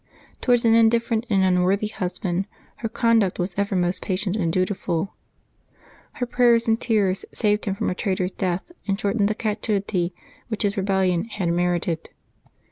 Towards an indifferent and unworthy husband her conduct was ever most patient and dutiful. Her prayers and tears saved him from a traitor's death and shortened the captivity which his rebellion had merited.